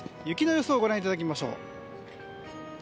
雪の予想をご覧いただきましょう。